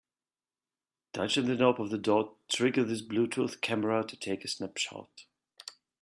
Touching the knob of the door triggers this Bluetooth camera to take a snapshot.